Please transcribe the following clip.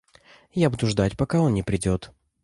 Я буду ждать пока он не придёт.